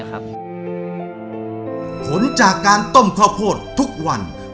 ควันมันก็จะเข้าตามาประมาณ๒๐ปี